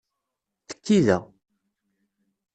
Tekki da!